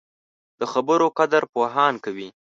د خبرو قدر پوهان کوي